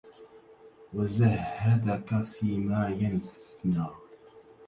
وَزَهَّدَك فِيمَا يَفْنَى